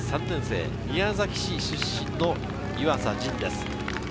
宮崎市出身の湯浅仁です。